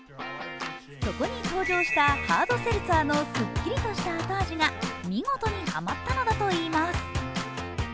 そこに登場したハードセルツァーのすっきりとした後味が見事にハマったのだといいます。